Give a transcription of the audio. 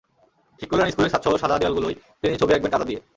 ঠিক করলেন স্কুলের ছাদসহ সাদা দেয়ালগুলোয় তিনি ছবি আঁকবেন কাদা দিয়ে।